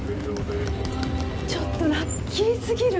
ちょっとラッキーすぎる。